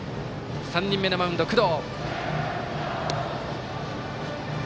３人目のマウンド、工藤。